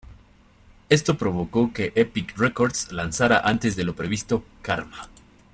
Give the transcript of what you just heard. Esto provocó que Epic Records lanzara antes de lo previsto: "Karma".